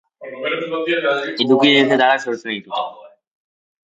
Eduki digitalak sortzen ditut.